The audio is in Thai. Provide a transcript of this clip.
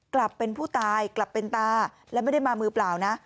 กลับเป็นผู้ตายกลับเป็นตาและไม่ได้มามือเปล่านะ